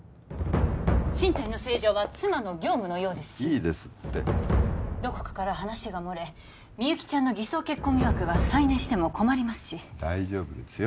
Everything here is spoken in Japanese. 身体の清浄は妻の業務のようですしいいですってどこかから話が漏れみゆきちゃんの偽装結婚疑惑が再燃しても困りますし大丈夫ですよ